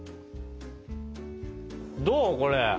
どうこれ？